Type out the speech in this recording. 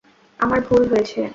আমার ভুল হয়েছে।